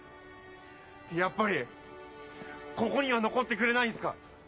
やっぱりここには残ってくれないんすか？